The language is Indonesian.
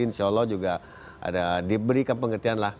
insya allah juga ada diberi kepengertian lah